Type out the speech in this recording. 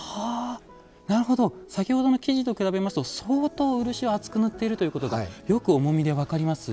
先ほどの木地と比べますと相当漆を厚く塗っているということがよく重みで分かります。